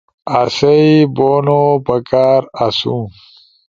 [آسئی بونو پکار آسو]